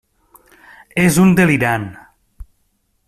És un delirant.